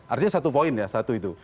artinya satu poin ya satu itu